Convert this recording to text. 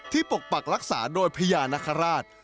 ปกปักรักษาโดยพญานคราช